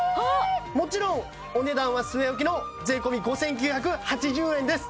もちろんお値段は据え置きの税込５９８０円です！